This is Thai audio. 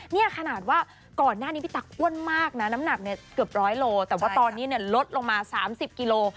นี่ขนาดว่าก่อนหน้านี้พี่ตั๊กอ้วนมากนะน้ำหนักเนี่ยเกือบร้อยโลแต่ว่าตอนนี้ลดลงมา๓๐กิโล